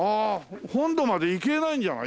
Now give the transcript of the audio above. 本堂まで行けないんじゃない？